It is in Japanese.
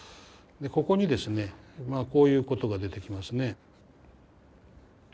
ここにですねこういうことが出てきますね。